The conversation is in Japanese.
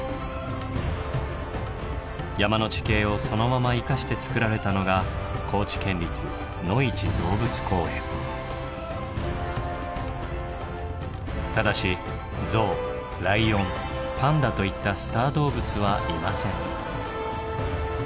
山の地形をそのまま生かしてつくられたのがただしゾウライオンパンダといったでも。